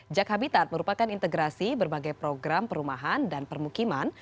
jak habitat merupakan integrasi berbagai program perumahan dan permukiman